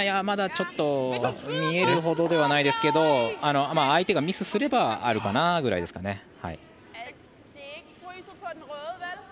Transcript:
まだちょっと見えるほどではないですけど相手がミスすればあるかなぐらいですかね。